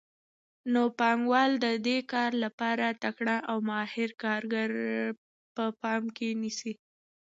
نو پانګوال د دې کار لپاره تکړه او ماهر کارګر په پام کې نیسي